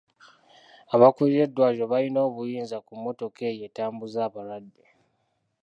Abakuulira eddwaliro balina obuyinza ku mmotoka eyo etambuza abalwadde.